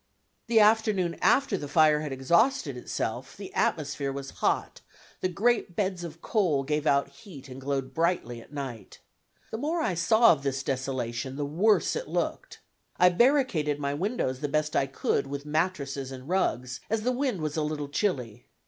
The afternoon after the fire had exhausted itself, the atmosphere was hot, the great beds of coals gave out heat and glowed brightly at night. The more I saw of this desolation, the worse it looked. I barricaded my windows the best I could with mattresses and rugs, as the wind was a little chilly.